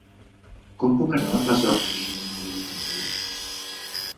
Com puc anar a la plaça de la Gardunya número vuitanta-u?